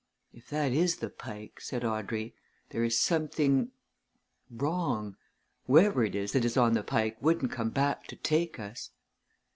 "If that is the Pike," said Audrey, "there is something wrong. Whoever it is that is on the Pike wouldn't come back to take us!"